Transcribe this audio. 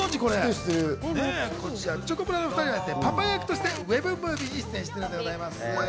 チョコプラの２人はパパ役としてウェブムービーに出演しているんでございます。